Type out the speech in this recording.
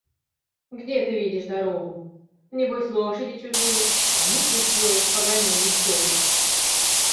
– Где ты видишь дорогу? Небось: лошади чужие, хомут не свой, погоняй не стой.